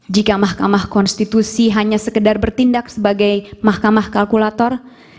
jika mahkamah konstitusi hanya sekedar bertindak sebagai mahkamah kalkulator